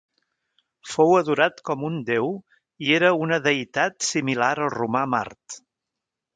Fou adorat com un deu i era una deïtat similar al romà Mart.